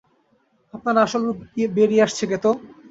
আপনার আসল রুপ বেরিয়ে আসছে, গেতো।